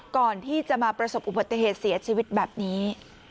ก่อนที่จะมาประสบอุบัติเหตุเสียชีวิตแบบนี้